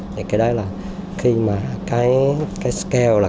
thì cái đó là khi mà cái scale